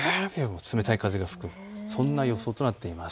冷たい風が吹くそんな予想となっています。